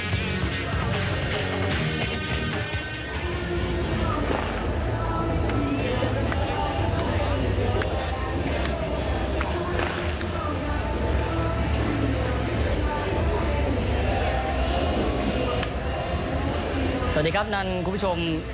สวัสดีครับนั่นคุณผู้ชม